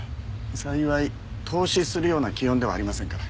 幸い凍死するような気温ではありませんから。